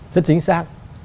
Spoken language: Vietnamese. rất chính xác